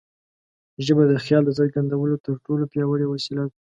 ژبه د خیال د څرګندولو تر ټولو پیاوړې وسیله ده.